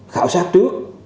khảo sát trước